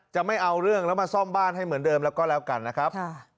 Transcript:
ไม่เอาเรื่องแล้วมาซ่อมบ้านให้เหมือนเดิมแล้วก็แล้วกันนะครับ